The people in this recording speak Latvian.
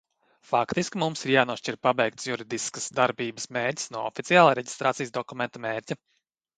Faktiski mums ir jānošķir pabeigtas juridiskas darbības mērķis no oficiāla reģistrācijas dokumenta mērķa.